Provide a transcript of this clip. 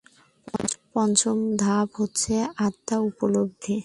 পঞ্চম ধাপ হচ্ছে আত্ম উপলব্ধি।